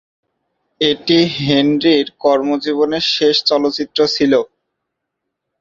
এটি হেনরির কর্মজীবনের শেষ চলচ্চিত্র ছিল।